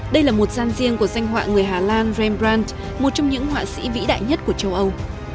đây là một gian riêng của danh họa người hà lan rembrant một trong những họa sĩ vĩ đại nhất của châu âu